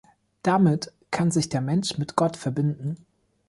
Damit kann sich der Mensch mit Gott verbinden.